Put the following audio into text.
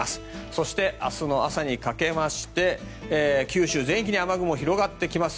そして、明日の朝にかけまして九州全域に雨雲が広がってきます。